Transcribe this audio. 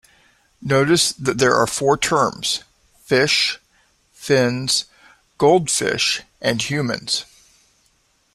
Notice that there are four terms: "fish", "fins", "goldfish" and "humans".